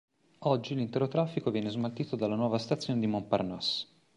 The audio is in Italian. Oggi l'intero traffico viene smaltito dalla nuova stazione di Montparnasse.